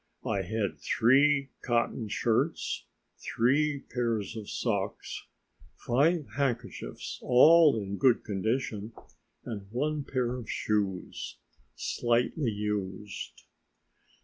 I had three cotton shirts, three pairs of socks, five handkerchiefs, all in good condition, and one pair of shoes, slightly used.